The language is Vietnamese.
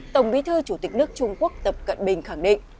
tổng bí thư chủ tịch nước trung quốc tập cận bình khẳng định